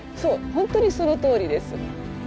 本当にそのとおりです。